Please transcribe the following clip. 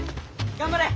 頑張れ！